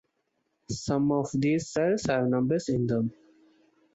Some of these cells have numbers in them.